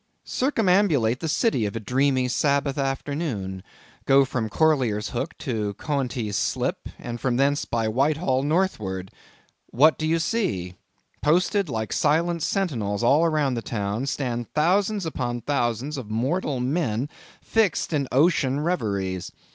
Circumambulate the city of a dreamy Sabbath afternoon. Go from Corlears Hook to Coenties Slip, and from thence, by Whitehall, northward. What do you see?—Posted like silent sentinels all around the town, stand thousands upon thousands of mortal men fixed in ocean reveries.